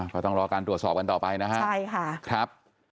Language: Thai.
ก็ต้องรอการตรวจสอบกันต่อไปนะฮะใช่ค่ะครับ